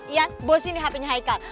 ian bosenin hpnya haikal